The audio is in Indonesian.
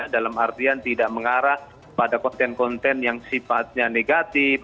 dalam artian tidak mengarah pada konten konten yang sifatnya negatif